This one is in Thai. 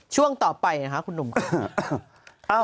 ช่วงต่อไปนะคะคุณหนุ่มค่ะ